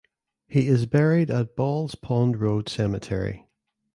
He is buried at Balls Pond Road Cemetery.